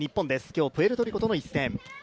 今日、プエルトリコとの一戦。